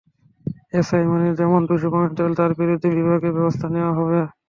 SI Moniruzzaman দোষী প্রমাণিত হলে তাঁর বিরুদ্ধে বিভাগীয় ব্যবস্থা নেওয়া হবে।